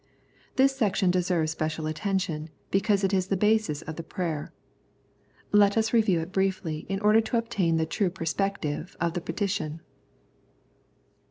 This section deserves special attention because it is the basis of the prayer. Let us review it briefly in order to obtain the true perspective of the petition.